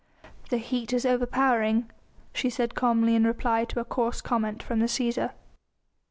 "The heat is overpowering," she said calmly in reply to a coarse comment from the Cæsar.